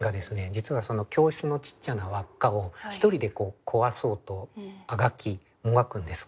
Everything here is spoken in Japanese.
実は教室のちっちゃなわっかを一人で壊そうとあがきもがくんです。